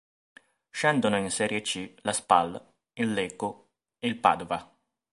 Scendono in Serie C la Spal, il Lecco ed il Padova.